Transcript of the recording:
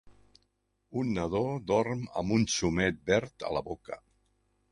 Un nadó dorm amb un xumet verd a la boca.